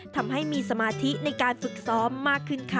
ทำให้มีสมาธิในการฝึกซ้อมมากขึ้นค่ะ